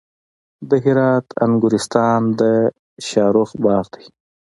د هرات انګورستان د شاهرخ باغ دی